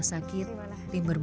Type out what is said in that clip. udah dari sisi enam sd